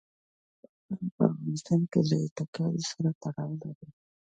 باران په افغانستان کې له اعتقاداتو سره تړاو لري.